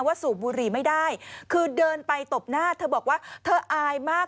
สูบบุหรี่ไม่ได้คือเดินไปตบหน้าเธอบอกว่าเธออายมาก